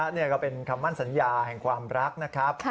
นี่ก็เป็นคำมั่นสัญญาแห่งความรักนะครับ